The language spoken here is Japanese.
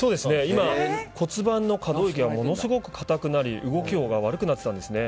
今、骨盤の可動域がものすごく硬くなり動きが悪くなってたんですね。